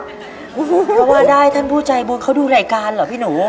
เพราะว่าได้ท่านผู้ใจบุญเขาดูรายการเหรอพี่หนู